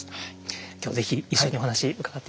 今日はぜひ一緒にお話伺っていきましょう。